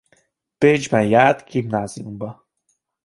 Bécsben járt gimnáziumba.